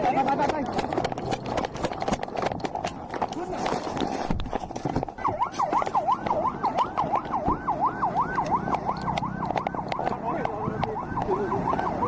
นี่เลย